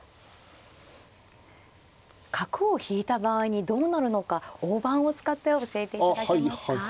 角を引いた場合にどうなるのか大盤を使って教えていただけますか。